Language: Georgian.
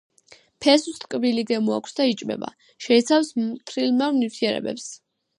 ფესვს ტკბილი გემო აქვს და იჭმევა; შეიცავს მთრიმლავ ნივთიერებებს.